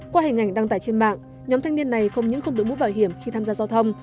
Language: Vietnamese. qua hình ảnh đăng tải trên mạng nhóm thanh niên này không những không được bút bảo hiểm khi tham gia giao thông